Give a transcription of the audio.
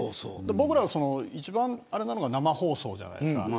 僕らが一番あれなのは生放送じゃないですか。